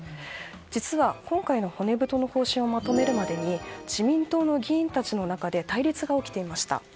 実は今回の骨太の方針をまとめるまでに自民党の議員たちの中で対立が起きていました。